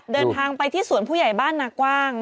เดินทางไปที่สวนผู้ใหญ่บ้านนากว้าง